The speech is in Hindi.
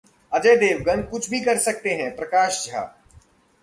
अजय देवगन कुछ भी कर सकते हैं: प्रकाश झा